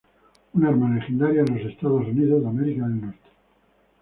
Un arma legendaria en Estados Unidos.